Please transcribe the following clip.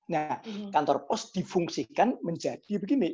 nah kantor pos difungsikan menjadi begini